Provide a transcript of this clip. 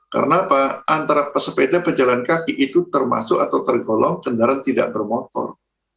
karena antara pesepeda pejalan kaki itu termasuk atau tergolong kendaraan tidak bermotor